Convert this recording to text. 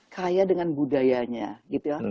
kaya dengan budayanya gitu ya